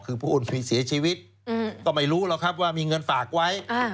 คือผู้อื่นเสียชีวิตก็ไม่รู้หรอกครับว่ามีเงินฝากไว้